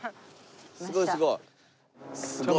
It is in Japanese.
すごいすごい。